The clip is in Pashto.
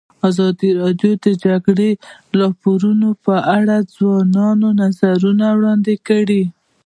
ازادي راډیو د د جګړې راپورونه په اړه د ځوانانو نظریات وړاندې کړي.